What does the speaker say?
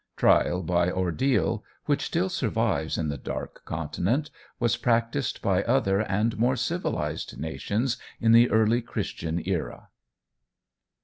Trial by ordeal, which still survives in the Dark Continent, was practised by other and more civilized nations in the early Christian era.